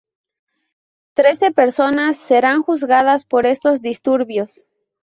Trece personas serán juzgadas por estos disturbios.